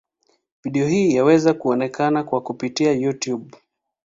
Video hii pia yaweza kuonekana kwa kupitia Youtube.